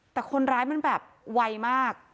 แต่คนร้ายมันแบบไวมาก